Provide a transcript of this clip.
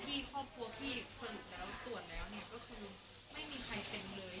ไม่มีใครเต็มเลยใช่ไหมครับ